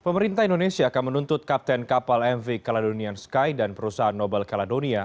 pemerintah indonesia akan menuntut kapten kapal mv caladonian sky dan perusahaan nobel kaladonia